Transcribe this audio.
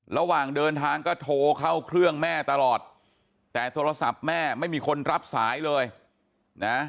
ระหว่างเดินทางก็โทรเข้าเครื่องแม่ตลอดแต่โทรศัพท์แม่ไม่มีคนรับสายเลยนะ